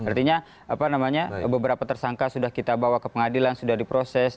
artinya beberapa tersangka sudah kita bawa ke pengadilan sudah diproses